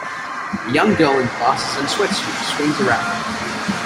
A young girl in glasses and sweatsuit swings a racket.